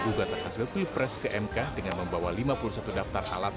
ugat atas gelapi pres ke mk dengan membawa lima puluh satu daftar alat